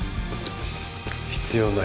必要ない